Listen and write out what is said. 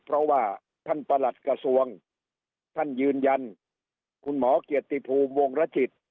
เพราะว่าท่านประหลัดกระทรวงท่านยืนยันคุณหมอเกียรติภูมิวงรจิต